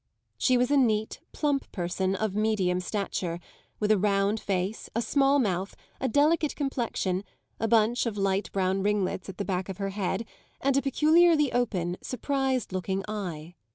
She was a neat, plump person, of medium stature, with a round face, a small mouth, a delicate complexion, a bunch of light brown ringlets at the back of her head and a peculiarly open, surprised looking eye.